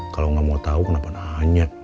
kalau nggak mau tahu kenapa nanya